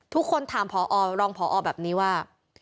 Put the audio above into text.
ทุกคนถามพอรองพอแบบนี้ว่า